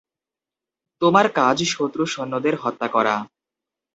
তোমার কাজ শত্রু সৈন্যদের হত্যা করা।